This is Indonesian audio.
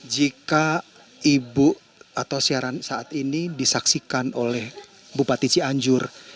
jika ibu atau siaran saat ini disaksikan oleh bupati cianjur